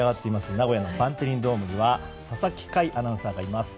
名古屋のバンデリンドームには佐々木快アナウンサーがいます。